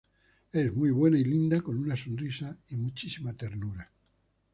Es muy buena y linda con una sonrisa y muchísima ternura.